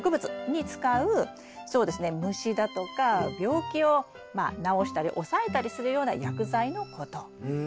虫だとか病気を治したり抑えたりするような薬剤のこと。